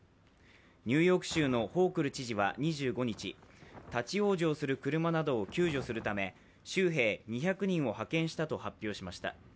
ニューヨーク州のホークル知事は２５日立往生する車などを救助するため州兵２００人を派遣したと発表しました。